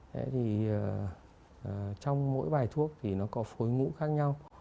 thế thì trong mỗi bài thuốc thì nó có phối mũ khác nhau